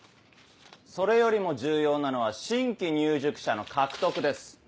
それよりも重要なのは新規入塾者の獲得です。